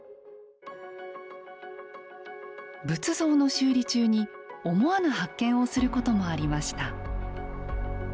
仏像の修理中に思わぬ発見をすることもありました。